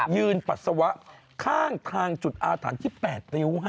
ยืนปัสสาวะข้างทางจุดอาฐานที่๘นิ้ว